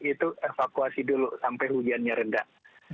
itu evakuasi dulu sampai hujannya rendah